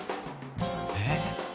えっ？